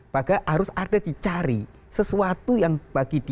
baga harus ada dicari sesuatu yang bagi diri